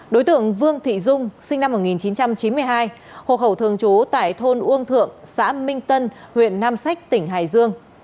đối tượng vương thị dung sinh năm một nghìn chín trăm chín mươi hai hộ khẩu thường trú tại thôn uông thượng xã minh tân huyện nam sách tỉnh hải dương